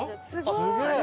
すげえ！